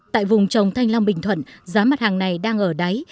tại vùng trồng thanh long bình thuận giá mặt hàng này đang ở đáy